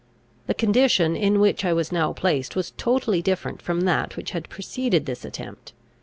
The condition in which I was now placed, was totally different from that which had preceded this attempt.